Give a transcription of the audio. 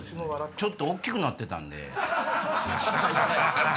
ちょっと大っきくなってたんで。